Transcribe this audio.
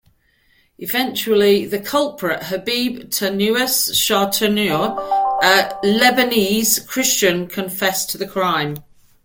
Eventually, the culprit, Habib Tanious Shartouni, a Lebanese Christian, confessed to the crime.